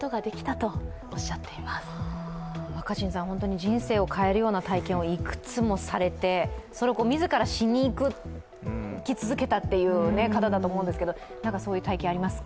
人生を変えるような体験をいくつもされて、それを自ら、しにいき続けたという方だと思うんですがそういう体験ありますか？